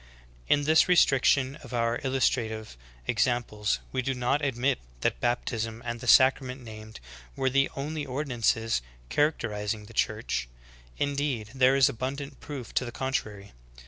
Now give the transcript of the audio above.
In this restriction of our illustrative examples we do not admit that baptism and the sacrament named were the only ordinances characterizing the Church; indeed, there is abundant proof to the contrary.